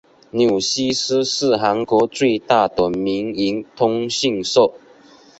纽西斯是韩国最大的民营通讯社。